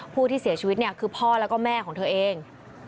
ผู้ที่เสียชีวิตเนี่ยคือพ่อแล้วก็แม่ของเธอเอง